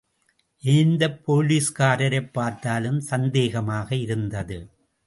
எந்தப் போலீஸ்காரரைப் பார்த்தாலும் சந்தேகமாக இருந்தது.